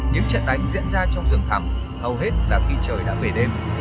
những trận đánh diễn ra trong rừng thẳng hầu hết là khi trời đã về đêm